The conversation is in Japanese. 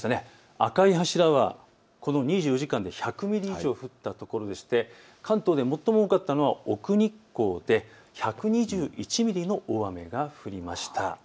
赤い柱は２４時間で１００ミリ以上降った所でして関東で最も多かったのは奥日光です、１２１ミリの大雨が降りました。